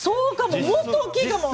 もっと大きいかも。